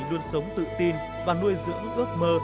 luôn sống tự tin và nuôi dưỡng ước mơ